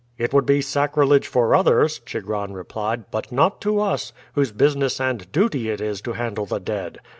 "It would be sacrilege for others," Chigron replied, "but not to us, whose business and duty it is to handle the dead.